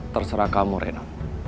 terserah kamu reno